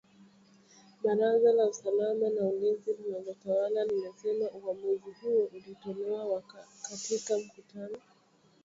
Baraza la usalama na ulinzi linalotawala limesema uamuzi huo ulitolewa katika mkutano